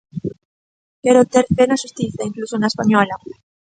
Quero ter fe na Xustiza, incluso na española.